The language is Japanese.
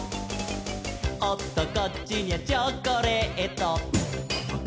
「おっとこっちにゃチョコレート」